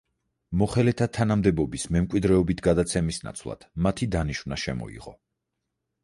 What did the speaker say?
მოხელეთა თანამდებობის მემკვიდრეობით გადაცემის ნაცვლად მათი დანიშვნა შემოიღო.